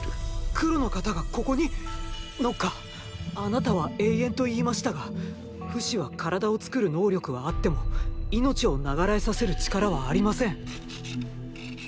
黒の方がここに⁉ノッカーあなたは永遠と言いましたがフシは体を作る能力はあっても命を永らえさせる力はありません。